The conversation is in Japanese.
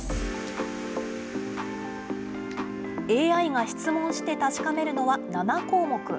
ＡＩが質問して確かめるのは７項目。